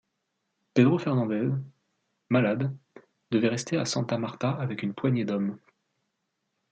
Pedro Fernandez, malade, devait rester à Santa Marta avec une poignée d’hommes.